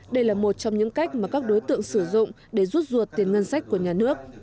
đây là một trong những cách mà các đối tượng sử dụng để rút ruột tiền ngân sách của nhà nước